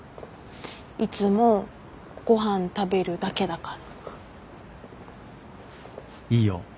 いつもご飯食べるだけだから。